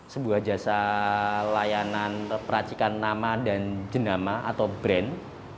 sebuah jasa layanan peracikan nama dan jenama atau brand